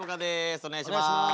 お願いします。